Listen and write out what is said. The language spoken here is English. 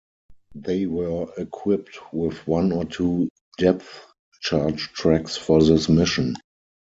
They were equipped with one or two depth charge tracks for this mission.